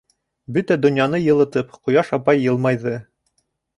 Бөтә донъяны йылытып, ҡояш апай йылмайҙы.